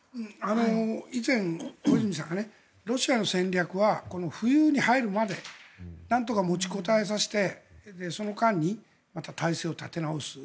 以前、小泉さんがロシアの戦略は冬に入るまでなんとか持ちこたえさせてその間に態勢を立て直す。